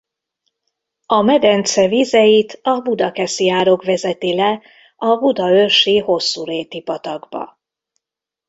A medence vizeit a Budakeszi-árok vezeti le a budaörsi Hosszúréti-patakba.